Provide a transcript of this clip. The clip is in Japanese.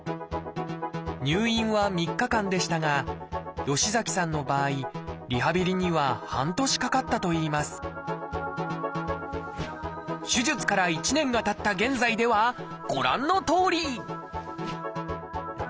入院は３日間でしたが吉崎さんの場合リハビリには半年かかったといいます手術から１年がたった現在ではご覧のとおり！